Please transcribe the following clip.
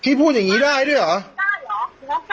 พี่พูดจริงพี่คุยเล่นกับในไลน์กับเพื่อนเฉย